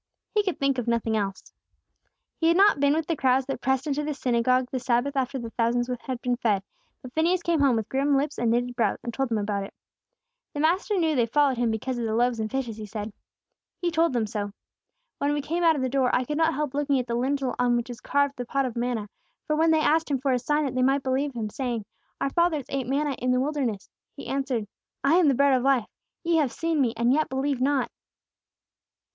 He could think of nothing else. He had not been with the crowds that pressed into the synagogue the Sabbath after the thousands had been fed; but Phineas came home with grim lips and knitted brows, and told him about it. "The Master knew they followed Him because of the loaves and fishes," he said. "He told them so. "When we came out of the door, I could not help looking up at the lintel on which is carved the pot of manna; for when they asked Him for a sign that they might believe Him, saying, 'Our fathers ate manna in the wilderness!' He answered: 'I am the bread of life! Ye have seen me, and yet believe not!'